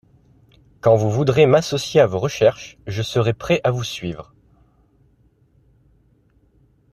Quand vous voudrez m’associer à vos recherches, je serai prêt à vous suivre.